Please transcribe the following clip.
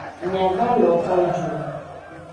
Mia va lo ko ju.